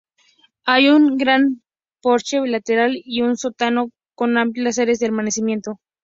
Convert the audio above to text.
Hay un gran porche lateral y un sótano con amplias áreas de almacenamiento.